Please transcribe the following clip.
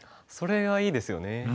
それがいいですよね。